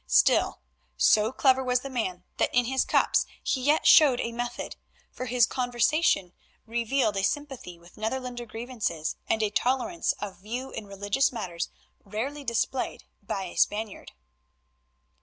Still, so clever was the man that in his cups he yet showed a method, for his conversation revealed a sympathy with Netherlander grievances and a tolerance of view in religious matters rarely displayed by a Spaniard.